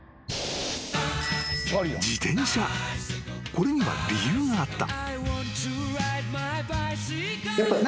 ［これには理由があった］